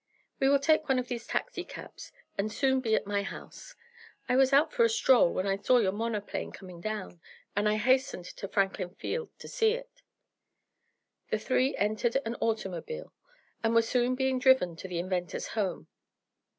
We will take one of these taxicabs, and soon be at my house. I was out for a stroll, when I saw your monoplane coming down, and I hastened to Franklin Field to see it." The three entered an automobile, and were soon being driven to the inventor's home.